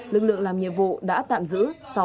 lực lượng làm nhiệm vụ đã tạm giữ